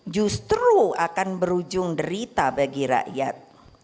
justru akan berujung derita bagi rakyat